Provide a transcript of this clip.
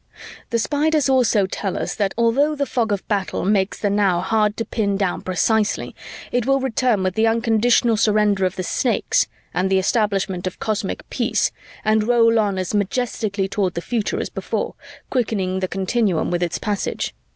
"The Spiders also tell us that, although the fog of battle makes the now hard to pin down precisely, it will return with the unconditional surrender of the Snakes and the establishment of cosmic peace, and roll on as majestically toward the future as before, quickening the continuum with its passage.